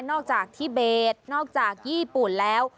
อกจากที่เบสนอกจากญี่ปุ่นแล้ว